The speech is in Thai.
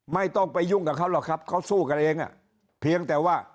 ไม่ต้องไปยุ่งกับเขาหรอกครับเขาสู้กันเองอ่ะเพียงแต่ว่า